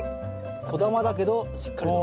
小玉だけどしっかりと。